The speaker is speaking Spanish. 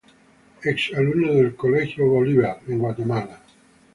Exalumno del Colegio Católico San Pablo, Guatemala.